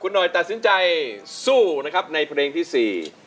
หน่อยตัดสินใจสู้นะครับในเพลงที่สี่